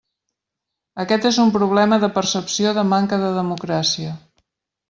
Aquest és un problema de percepció de manca de democràcia.